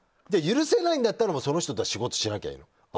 許せないんだったらその人とは仕事しなきゃいい。